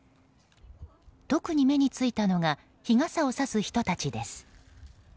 特に目についたのが日傘をさす人たちです。